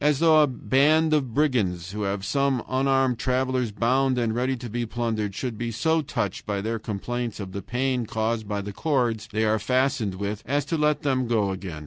As though a band of brigands, who have some unarmed travelers bound and ready to be plundered, should be so touched by their complaints of the pain caused by the cords they are fastened with as to let them go again.